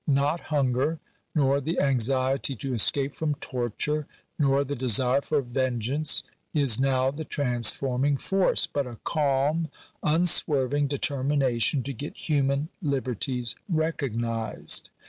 Not hunger, nor the anxiety to escape from torture, nor the desire for vengeance, is now the transforming force, but a calm unswerving determination to get human liberties recognised.